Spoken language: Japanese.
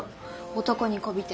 男にこびて。